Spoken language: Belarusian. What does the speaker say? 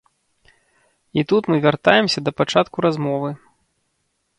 І тут мы вяртаемся да пачатку размовы.